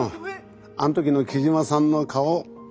あん時の木島さんの顔。